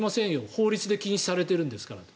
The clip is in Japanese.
法律で禁止されてるんですからと。